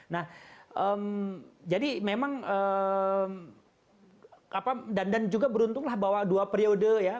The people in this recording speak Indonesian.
nah jadi memang dan juga beruntunglah bahwa dua periode ya